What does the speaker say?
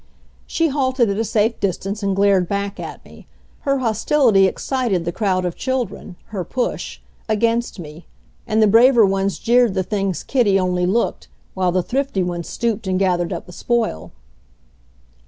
She halted at a safe distance and glared back at me. Her hostility excited the crowd of children her push against me, and the braver ones jeered the things Kitty only looked, while the thrifty ones stooped and gathered up the spoil.